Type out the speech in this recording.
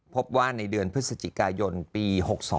พบว่าในเดือนพฤศจิกายนปี๖๒